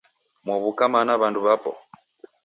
Mwaw'uka mana w'andu w'apo?